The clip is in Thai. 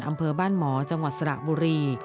อำเภอบ้านหมอจังหวัดสระบุรี